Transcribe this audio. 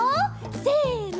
せの。